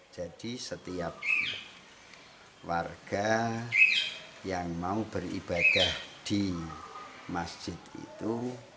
jadi setiap warga yang mau beribadah di masjid itu